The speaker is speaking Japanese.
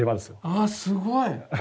あすごい！